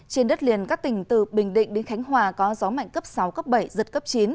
trên đất liền các tỉnh từ bình định đến khánh hòa có gió mạnh cấp sáu cấp bảy giật cấp chín